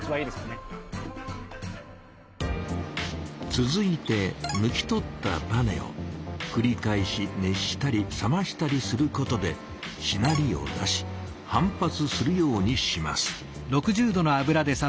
続いて抜き取ったバネをくり返し熱したり冷ましたりすることでしなりを出し反発するようにします。